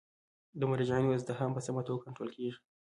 د مراجعینو ازدحام په سمه توګه کنټرول کیږي.